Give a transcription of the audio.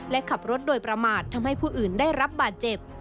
และขับรถโดยประมาททำให้ผู้อื่นได้รับบาดเจ็บ